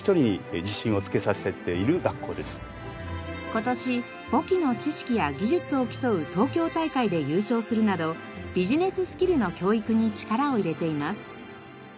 今年簿記の知識や技術を競う東京大会で優勝するなどビジネススキルの教育に力を入れています。